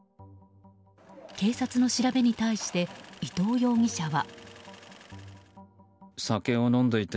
警察の調べに対して伊藤容疑者は。